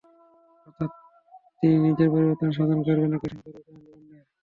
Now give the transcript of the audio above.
অর্থাৎ তিনি নিজের পরিবর্তন সাধন করবেন, একই সঙ্গে পরিবর্তন আনবেন অন্যের।